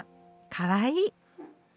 かわいい。